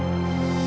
gak ada apa apa